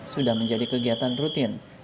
sudah menjadi kegiatan rutin